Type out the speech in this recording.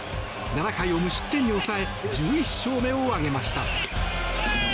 ７回を無失点に抑え１１勝目を挙げました。